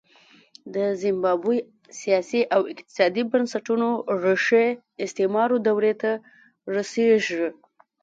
د زیمبابوې سیاسي او اقتصادي بنسټونو ریښې استعمار دورې ته رسېږي.